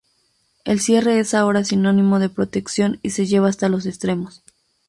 El cierre es ahora sinónimo de protección, y se lleva hasta los extremos.